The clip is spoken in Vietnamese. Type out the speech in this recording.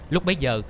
lúc bấy giờ